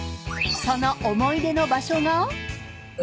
［その思い出の場所が］